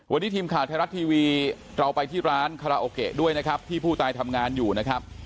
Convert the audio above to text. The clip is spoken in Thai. วันนี้ทีมข่าวไทยรัฐทีวีเราไปที่ร้านคาราโอเกะด้วยนะครับที่ผู้ตายทำงานอยู่นะครับ